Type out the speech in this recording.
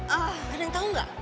ada yang tau gak